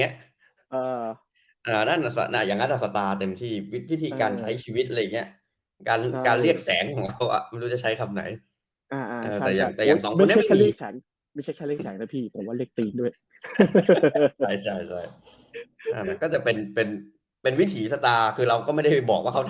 อย่างนั้นต้องการต่อสตาร์เต็มที่พิธีการใช้ชีวิตการเรียกแสงของเขาไม่รู้จะใช้คำไหน